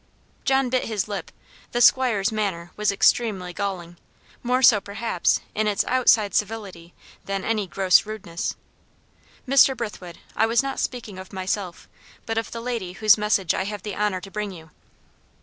John bit his lip; the 'squire's manner was extremely galling; more so, perhaps, in its outside civility than any gross rudeness. "Mr. Brithwood, I was not speaking of myself, but of the lady whose message I have the honour to bring you."